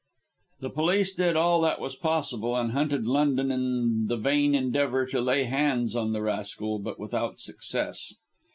The police did all that was possible, and hunted London in the vain endeavour to lay hands on the rascal, but without success.